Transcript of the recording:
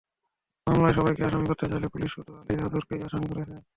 মামলায় সবাইকে আসামি করতে চাইলেও পুলিশ শুধু আলী আজগরকে আসামি করেছে।